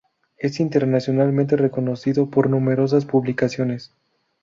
Es internacionalmente reconocido por numerosas publicaciones.